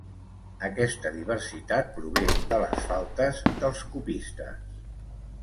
Aquesta diversitat prové de les faltes dels copistes.